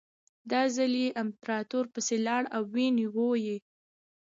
دا ځل یې امپراتور پسې لاړل او ونیو یې.